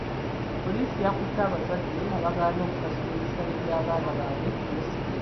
Poliisi yakutte abazadde abaagana okusasula ebisale by'abaana baabwe eby'essomero.